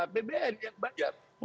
apbn yang bajar